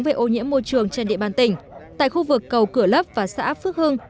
về ô nhiễm môi trường trên địa bàn tỉnh tại khu vực cầu cửa lấp và xã phước hưng